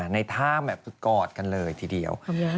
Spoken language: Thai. ในท่าแบบกอดกันเลยทีเดียว